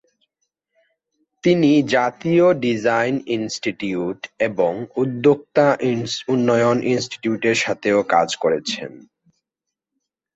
তিনি জাতীয় design institute এবং উদ্যোক্তা উন্নয়ন ইনস্টিটিউটের সাথেও কাজ করেছেন।